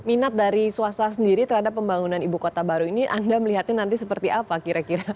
minat dari swasta sendiri terhadap pembangunan ibu kota baru ini anda melihatnya nanti seperti apa kira kira